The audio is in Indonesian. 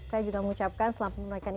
saya juga mengucapkan selamat menaikkan